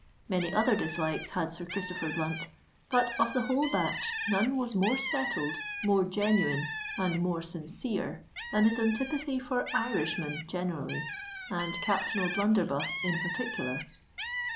Many other dislikes had Sir Christopher Blunt;—but of the whole batch, none was more settled, more genuine, and more sincere than his antipathy for Irishmen generally, and Captain O'Blunderbuss in particular.